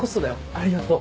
ありがとう。